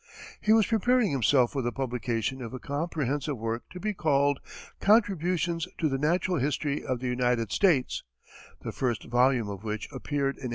He was preparing himself for the publication of a comprehensive work to be called "Contributions to the Natural History of the United States," the first volume of which appeared in 1857.